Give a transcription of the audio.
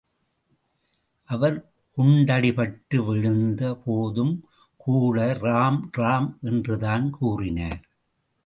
அவர் குண்டடிபட்டு விழுந்த போதும்கூட ராம்ராம் என்றுதான் கூறினார்.